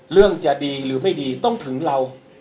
เรื่องจะดีหรือไม่ดีต้องถึงเรา